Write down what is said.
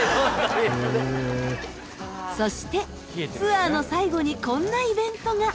そしてツアーの最後にこんなイベントが。